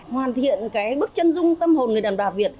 hoàn thiện bức chân dung tâm hồn người đàn bà việt